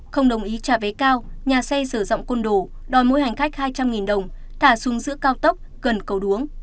không đồng ý trả vé cao nhà xe sử dụng côn đồ đòi mỗi hành khách hai trăm linh đồng thả xuống giữa cao tốc gần cầu đuống